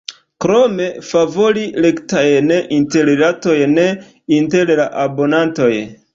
Krome, favori rektajn interrilatojn inter la abonantoj.